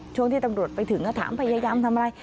ช่วงที่ตำรวจไปถึงก็ถามพยายามทำอะไร